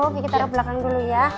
nanti kita taruh belakang dulu ya